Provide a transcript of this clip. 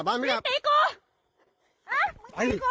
มึงตีหน่อย